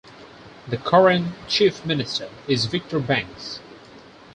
The current Chief Minister is Victor Banks.